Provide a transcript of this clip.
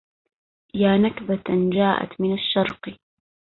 يا نكبة جاءت من الشرق